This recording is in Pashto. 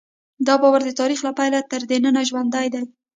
دا باور د تاریخ له پیله تر ننه ژوندی دی.